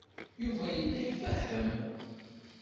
Yuba yella ifehhem.